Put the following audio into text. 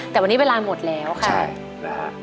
แต่วันนี้เวลาหมดแล้วค่ะนะฮะ